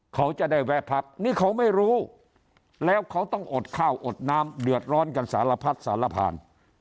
เขาจะได้แวะพักนี่เขาไม่รู้แล้วเขาต้องอดข้าวอดน้ำเดือดร้อนกันสารพัดสารพาน